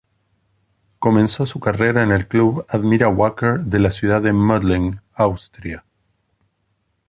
Comenzó su carrera en el club Admira Wacker de la ciudad de Mödling, Austria.